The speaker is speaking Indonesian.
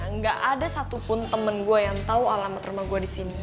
enggak ada satupun temen gue yang tau alamat rumah gue disini